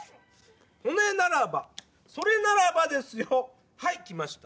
それならばそれならばですよ。はいきました！